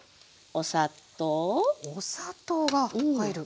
お砂糖が入る。